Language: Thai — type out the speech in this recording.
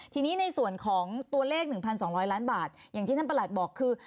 ทีนี้ในส่วนของตัวเลข๑๒๐๐ล้านบาทอย่างที่ท่านประหลัดบอกคือ